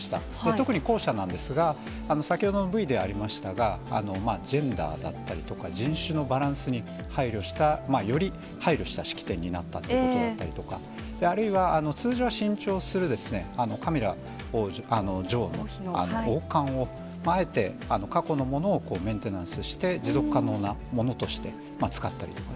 特に後者なんですが、先ほどのＶでありましたが、ジェンダーだったりだとか、人種のバランスに配慮した、より配慮した式典になったということだったりだとか、あるいは、通常は新調するカミラ女王の王冠を、あえて過去のものをメンテナンスして、持続可能なものとして使ったりとか。